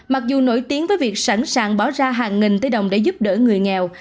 mặc dù nổi tiếng với việc sẵn sàng bỏ ra hàng nghìn tỷ đồng để giúp đỡ người nghèo